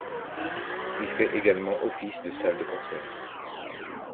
Il fait également office de salle de concert.